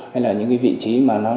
hay là những vị trí